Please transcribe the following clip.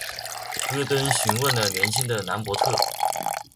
戈登询问了年轻的兰伯特。